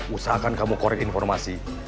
usahakan kamu korek informasi